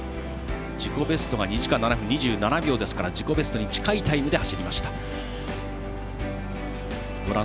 自己ベストが２時間７分２７秒ですから自己ベストに近いタイムで走りました。